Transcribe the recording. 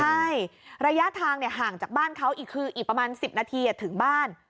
ใช่ระยะทางห่างจากบ้านเขาอีกคืออีกประมาณ๑๐นาทีถึงบ้าน